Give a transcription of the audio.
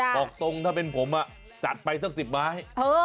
บอกตรงถ้าเป็นผมจัดไปสัก๑๐ไม้